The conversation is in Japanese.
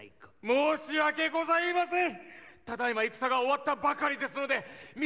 申し訳ございません！